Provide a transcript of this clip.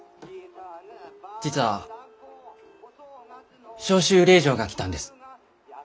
実は召集令状が来たんです。